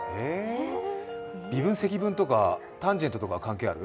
微分積分とかタンジェントとか関係ある？